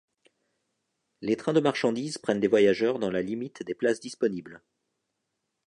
Les trains de marchandises prennent des voyageurs dans la limite des places disponibles.